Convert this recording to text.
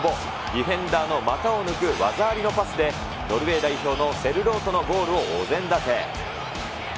ディフェンダーの股を抜く技ありのパスで、ノルウェー代表のセルロートのゴールをお膳立て。